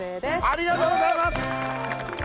ありがとうございます。